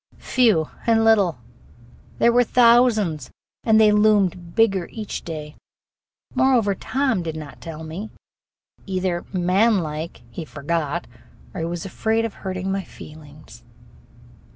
Few and little! There were thousands, and they loomed bigger each day. Moreover, Tom did not tell me. Either, manlike, he forgot, or he was afraid of hurting my feelings.